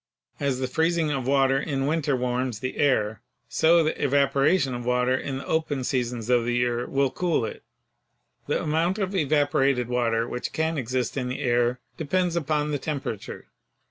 As the freezing of water in winter warms the air, so the evapora tion of water in the open seasons of the year will cool it. The amount of evaporated water which can exist in the air depends upon the temperature.